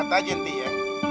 lihat aja nanti ya